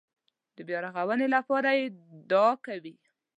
د بیارغونې لپاره یې دعا کوي.